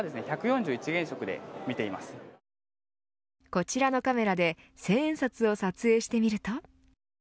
こちらのカメラで１０００円札を撮影してみると。